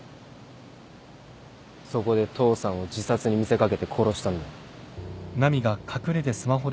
そこで父さんを自殺に見せ掛けて殺したんだ。